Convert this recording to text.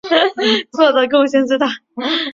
做的贡献最大。